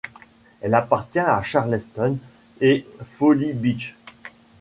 Elle appartient à Charleston et Folly Beach.